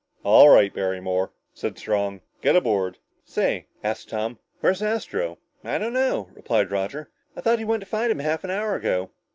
"All right, Barrymore," said Strong, "get aboard!" "Say," asked Tom, "where's Astro?" "I don't know," replied Roger. "I thought you went to find him half an hour ago!"